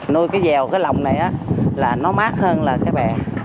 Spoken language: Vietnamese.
nuôi cái dèo cái lòng này là nó mát hơn là cái bè